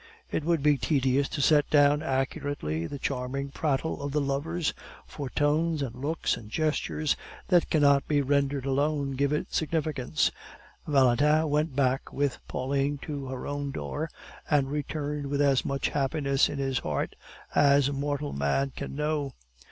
It would be tedious to set down accurately the charming prattle of the lovers, for tones and looks and gestures that cannot be rendered alone gave it significance. Valentin went back with Pauline to her own door, and returned with as much happiness in his heart as mortal man can know.